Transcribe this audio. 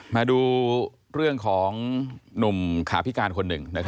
มาดูเรื่องของหนุ่มขาพิการคนหนึ่ง